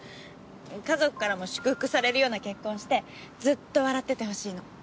家族からも祝福されるような結婚してずっと笑っててほしいの。